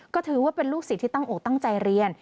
ก็ถือว่าเป็นลูกศิษย์ที่ตั้งอกตั้งใจเรียน